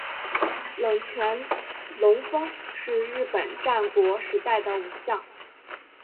冷泉隆丰是日本战国时代的武将。